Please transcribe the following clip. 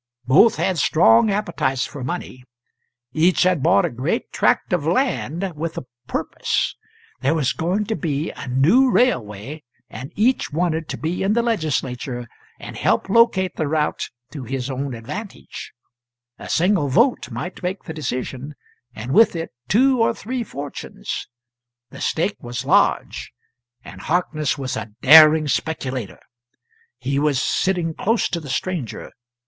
Both had strong appetites for money; each had bought a great tract of land, with a purpose; there was going to be a new railway, and each wanted to be in the Legislature and help locate the route to his own advantage; a single vote might make the decision, and with it two or three fortunes. The stake was large, and Harkness was a daring speculator. He was sitting close to the stranger.